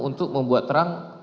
untuk membuat terang